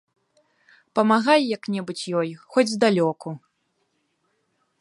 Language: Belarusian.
Памагай як-небудзь ёй, хоць здалёку.